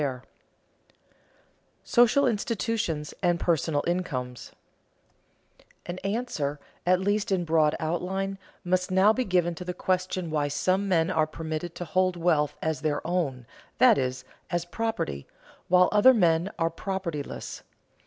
[Sidenote: Social institutions and personal incomes] An answer, at least in broad outline, must now be given to the question why some men are permitted to hold wealth as their "own," that is, as "property," while other men are propertyless.